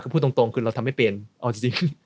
พูดตรงคือเราทำไม่เปลี่ยนเอาจริง